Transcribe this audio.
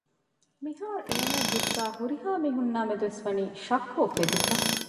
މިހާރު އޭނާގެ ހިތުގައި ހުރިހާ މީހުންނާމެދުވެސް ވަނީ ޝައްކު އުފެދިފަ